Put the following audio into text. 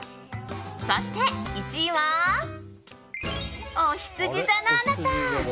そして１位はおひつじ座のあなた。